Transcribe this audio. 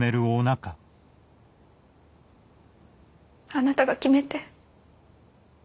あなたが決めて。